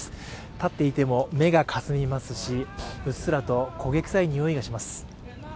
立っていても目がかすみますしうっすらと焦げ臭いにおいがします。